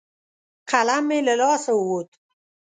قلم مې له لاسه ووت.